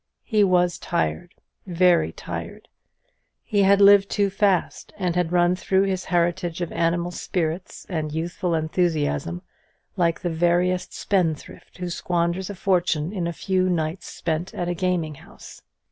He was tired, very tired. He had lived too fast, and had run through his heritage of animal spirits and youthful enthusiasm like the veriest spendthrift who squanders a fortune in a few nights spent at a gaming house.